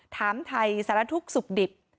ถามไทยสารทุกข์สุขดิบ